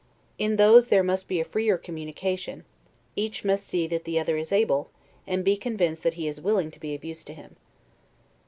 In those, there must be a freer communication; each must see that the other is able, and be convinced that he is willing to be of use to him.